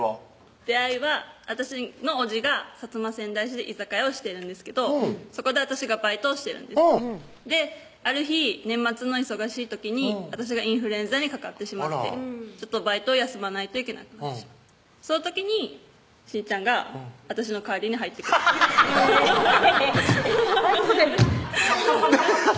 出会いは私の叔父が摩川内市で居酒屋をしてるんですけどそこで私がバイトをしてるんですである日年末の忙しい時に私がインフルエンザにかかってしまってバイトを休まないといけなくなってしまってその時にしんちゃんが私の代わりに入ってくれたハハハハハ